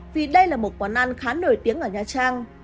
vì đây là một quán ăn khá nổi tiếng ở nha trang